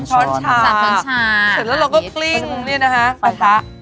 เสร็จแล้วเราก็กลิ้งกระทะ